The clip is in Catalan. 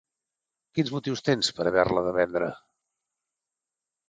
- Quins motius tens pera haver-la de vendre?